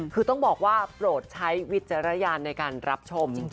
คือต้องบอกว่าโปรดใช้วิจารณญาณในการรับชม